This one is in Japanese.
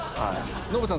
ノブさん